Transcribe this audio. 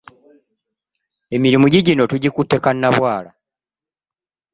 Emirimu giigino tugikutte kannabwala.